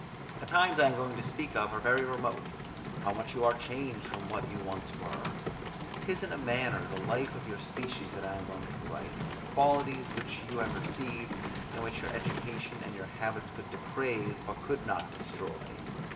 The times I am going to speak of are very remote. How much you are changed from what you once were! 'Tis in a manner the life of your species that I am going to write, from the qualities which you have received, and which your education and your habits could deprave, but could not destroy.